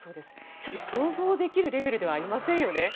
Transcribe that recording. ちょっと想像できるレベルではありませんよね。